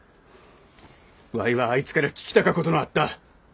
わいはあいつから聞きたかことのあった。